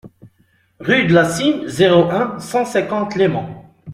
Rue de la Cîme, zéro un, cent cinquante Leyment